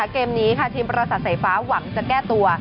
เกมนี้ค่ะทีมประสาทสายฟ้าหวังจะแก้ตัว